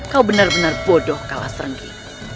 kau benar benar bodoh kalas renggi